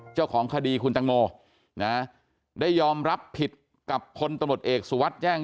เจ้าของคดีคุณตังโมนะได้ยอมรับผิดกับคนตำรวจเอกสุวัสดิ์แจ้ง